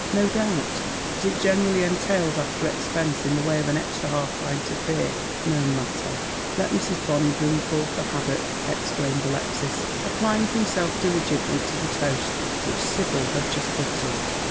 " No doubt, but it generally entails after expense in the way of an extra half pint of beer. No matter. Let Mrs. Bonny bring forth the haddock," exclaimed Alexis, applying himself diligently to the toast, which Sibyl has just buttered.